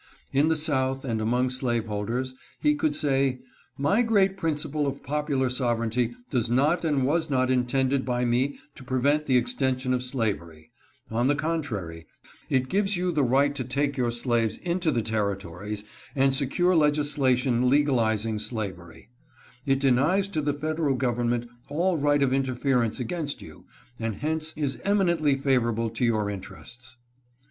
In the South and among slaveholders he could say, " My great principle of popular sovereignty does not and was not intended by me to prevent the extension of slavery ; on the contrary, it gives you the right to take your slaves into the territories and secure legislation legalizing slavery ; it denies to the Federal Government all right of interference against you, and hence is eminently favorable to your interests."